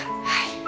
はい。